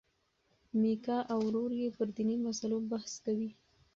میکا او ورور یې پر دیني مسلو بحث کوي.